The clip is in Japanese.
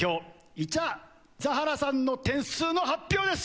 イチャ・ザハラさんの点数の発表です！